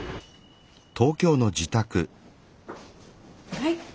はい？